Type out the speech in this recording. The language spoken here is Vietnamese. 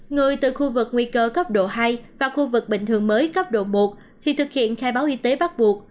người từ khu vực nguy cơ cấp độ hai và khu vực bình thường mới cấp độ một thì thực hiện khai báo y tế bắt buộc